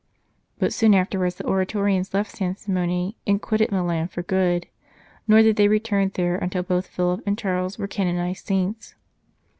But soon afterwards the Oratorians left San Simone, and quitted Milan for good ; nor did they return there until both Philip and Charles were canonized saints.